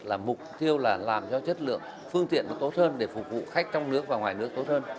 là mục tiêu là làm cho chất lượng phương tiện nó tốt hơn để phục vụ khách trong nước và ngoài nước tốt hơn